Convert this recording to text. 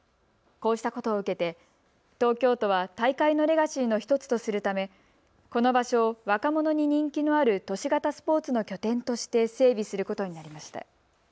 こうしたことを受けて東京都は大会のレガシーの１つとするためこの場所を若者に人気のある都市型スポーツの拠点として整備することになりました。